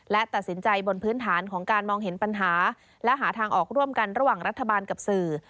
และตัดสินใจบนพื้นฐานของการมองเห็นปัญหาและหาทางออกร่วมกันระหว่างรัฐบาลกับสื่อ